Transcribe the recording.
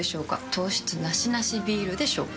糖質ナシナシビールでしょうか？